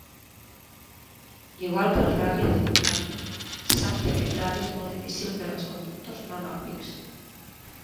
Igual que el Ral·li de Finlàndia, se sap que aquest ral·li és molt difícil per als conductors no nòrdics.